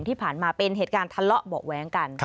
ที่ผ่านมาเป็นเหตุการณ์ทะเลาะเบาะแว้งกัน